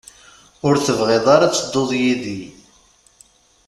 Ur tebɣiḍ ara ad tedduḍ yid-i.